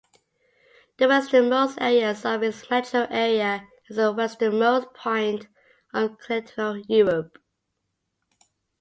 The westernmost areas of its metro area is the westernmost point of Continental Europe.